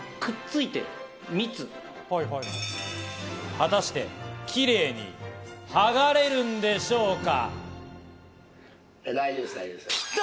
果たして、キレイにはがれるんでしょうか。